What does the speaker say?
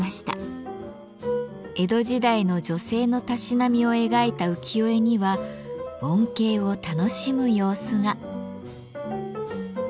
江戸時代の女性のたしなみを描いた浮世絵には盆景を楽しむ様子が。